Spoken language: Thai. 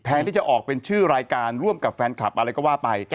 ที่จะออกเป็นชื่อรายการร่วมกับแฟนคลับอะไรก็ว่าไป